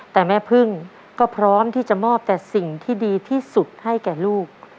แต่แม่พึ่งก็พร้อมที่จะมอบแต่สิ่งที่ดีที่สุดให้แก่ลูก